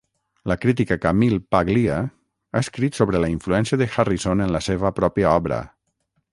La crítica Camille Paglia ha escrit sobre la influència de Harrison en la seva pròpia obra.